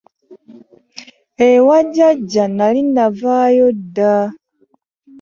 Ewa jjajja nnali navaayo dda.